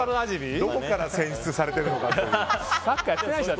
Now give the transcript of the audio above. どこから選出されてるのか。